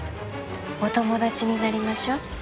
お友達になりましょう。